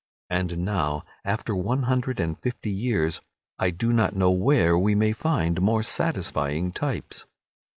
And now, after one hundred and fifty years, I do not know where we may find more satisfying types.